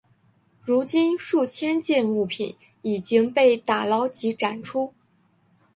如今数千件物品已经被打捞及展出。